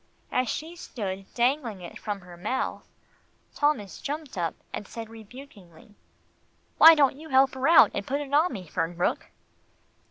As she stood dangling it from her mouth, Thomas jumped up and said rebukingly, "Why don't you help her put it on me, Fernbrook?"